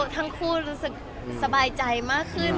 ทั้งคู่รู้สึกสบายใจมากขึ้น